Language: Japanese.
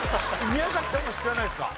宮崎さんも知らないですか？